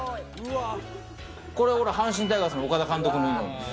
これ阪神タイガースの岡田監督のユニホーム。